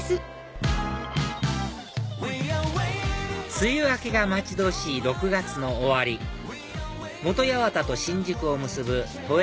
梅雨明けが待ち遠しい６月の終わり本八幡と新宿を結ぶ都営